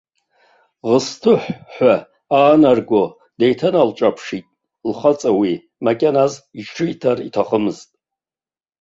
Ӷысҭыҳә ҳәа аанарго деиҭаналҿаԥшит лхаҵа уи макьаназ иҽриҭар иҭахымызт.